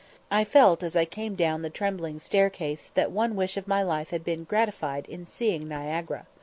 I felt as I came down the trembling staircase that one wish of my life had been gratified in seeing Niagara.